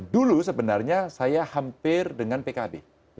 dulu sebenarnya saya hampir dengan pkb